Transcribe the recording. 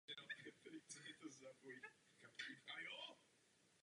Hlavní roli ztvárnil kanadský herec Shane Meier.